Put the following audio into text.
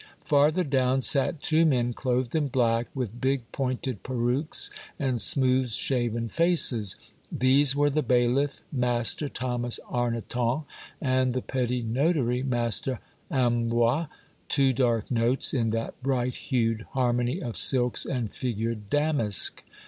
Farther down sat two men clothed in black, with big pointed perruques and smooth shaven faces. These were the bailiff, mas ter Thomas Arnoton, and the petty notary, master Ambroy, two dark notes in that bright hued har mony of silks and figured damask.